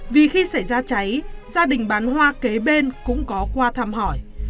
vì khi xảy ra cháy gia đình bán hoa kế bên cũng có qua thăm hỏi